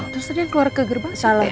terus dia keluar ke gerbang sih